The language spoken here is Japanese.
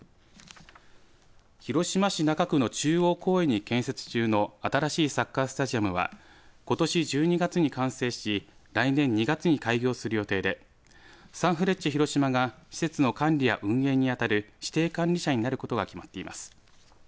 広島市中区の中央公園に建設中の新しいサッカースタジアムはことし１２月に完成し来年２月に開業する予定でサンフレッチェ広島が施設の管理や運営に当たる指定管理者になることが決まっています。